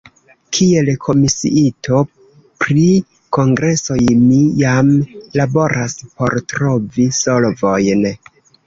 Kiel komisiito pri kongresoj mi jam laboras por trovi solvojn.